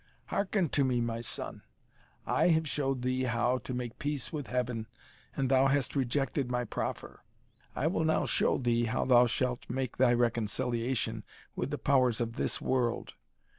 Hearken to me, my son. I have showed thee how to make thy peace with Heaven, and thou hast rejected my proffer. I will now show thee how thou shalt make thy reconciliation with the powers of this world.